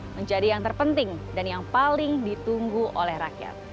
menjadi yang terpenting dan yang paling ditunggu oleh rakyat